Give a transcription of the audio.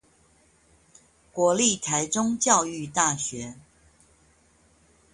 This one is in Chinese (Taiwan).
國立臺中教育大學